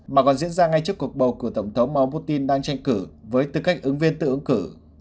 mà còn diễn ra ngay trước cuộc bầu cử tổng thống mar putin đang tranh cử với tư cách ứng viên tự ứng cử